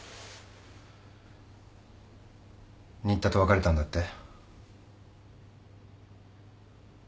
新田と別れたんだって？